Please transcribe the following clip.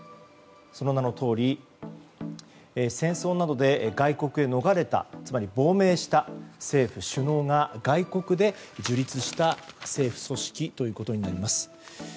その名のとおり、戦争などで外国へ逃れたつまり、亡命した政府首脳が外国で樹立した政府組織となります。